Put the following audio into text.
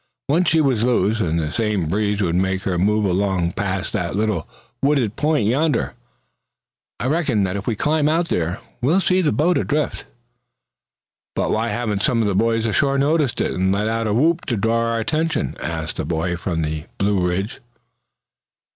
Once she was loose and the same breeze would make her move along past that little wooded point yonder. I reckon that if we climb out there, we'll see the boat adrift." "But why haven't some of the boys ashore noticed it, and let out a whoop to draw our attention?" asked the boy from the Blue Ridge.